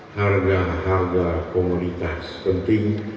harga harga komunitas penting